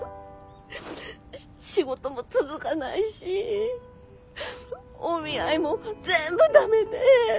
仕事も続かないしお見合いも全部駄目で。